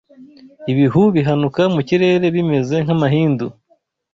ibihu bihanuka mu kirere bimeze nk’amahindu